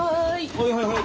はいはいはい。